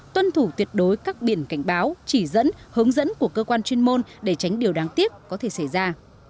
tuân thủ tuyệt đối các biển cảnh báo chỉ dẫn hướng dẫn của cơ quan chuyên môn để tránh điều đáng tiếc có thể xảy ra